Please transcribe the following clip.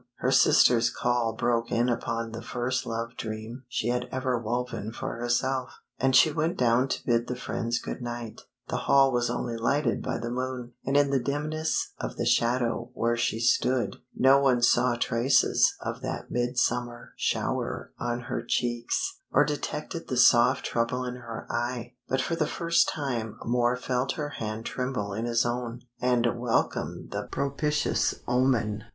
Her sister's call broke in upon the first love dream she had ever woven for herself, and she went down to bid the friends good night. The hall was only lighted by the moon, and in the dimness of the shadow where she stood, no one saw traces of that midsummer shower on her cheeks, or detected the soft trouble in her eye, but for the first time Moor felt her hand tremble in his own and welcomed the propitious omen.